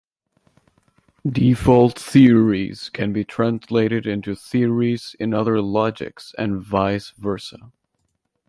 Default theories can be translated into theories in other logics and vice versa.